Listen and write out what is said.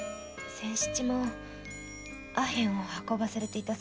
仙七も阿片を運ばされていたそうです。